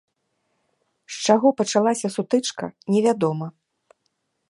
З чаго пачалася сутычка, невядома.